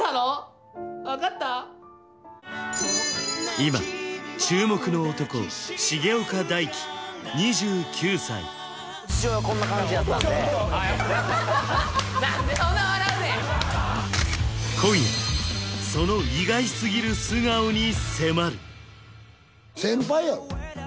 今注目の男やったんで今夜その意外すぎる素顔に迫る先輩やろ？